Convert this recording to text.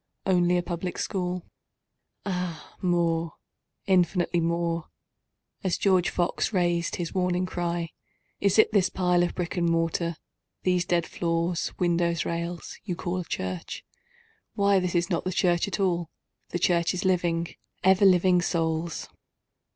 Only a Public School? Ah more—infinitely more;(As George Fox rais'd his warning cry, "Is it this pile of brick and mortar—these dead floors, windows, rails—you call the church? Why this is not the church at all—the Church is living, ever living Souls.")